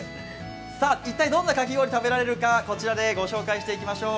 一体どんなかき氷を食べられるか、こちらでご紹介していきましょう。